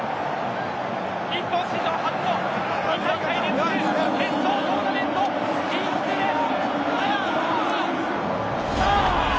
日本史上初の２大会連続決勝トーナメント進出です！